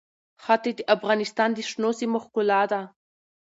ښتې د افغانستان د شنو سیمو ښکلا ده.